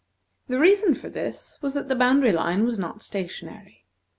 The reason for this was that the boundary line was not stationary.